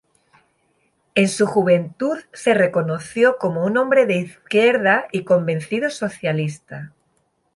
En su juventud se reconoció como un hombre de izquierda y convencido socialista.